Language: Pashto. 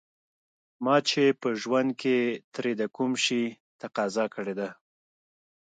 ما چې په ژوند کې ترې د کوم شي تقاضا کړې ده.